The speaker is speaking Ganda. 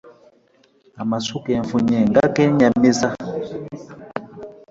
Amasu ge nfunye nga gennyamiza!